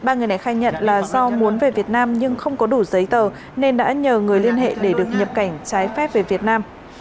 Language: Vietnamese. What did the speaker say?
ba người này khai nhận là do muốn về việt nam nhưng không có đủ giấy tờ nên đã nhờ người liên hệ để được nhập cảnh trái phép về việt nam